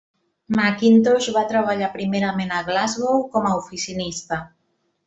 Macintosh va treballar primerament a Glasgow com a oficinista.